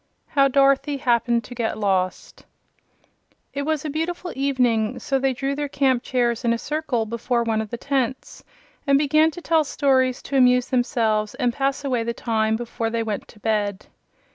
How Dorothy Happened to Get Lost It was a beautiful evening, so they drew their camp chairs in a circle before one of the tents and began to tell stories to amuse themselves and pass away the time before they went to bed.